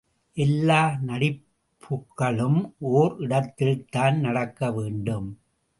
எல்லா நடிப்புக்களும் ஒர் இடத்தில்தான் நடக்க வேண்டும்.